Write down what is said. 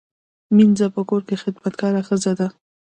مینځه په کور کې خدمتګاره ښځه ده